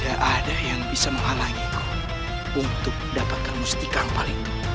kau ingin mengambil mustika ampal